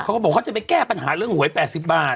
เขาก็บอกเขาจะไปแก้ปัญหาเรื่องหวย๘๐บาท